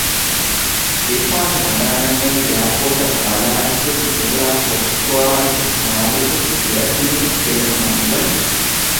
ރިފާގެ ހަނދާނަށް އައީ އެއާޕޯޓަށް ބަލާއައިސް ހުރި ނޫރާ ކޮއްކޮއާއެކު މާލެ ގޮސް ގެޔަށް ދިއުމުން ފެނުނު މަންޒަރު